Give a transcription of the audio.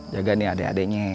jaga nih adek adenya